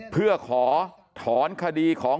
เพื่อขอถอนคดีของ